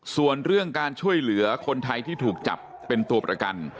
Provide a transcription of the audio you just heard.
ส่วนเรื่องการช่วยเหลือคนไทยที่ถูกจับเป็นตัวประกัน